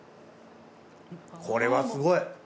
これはすごい。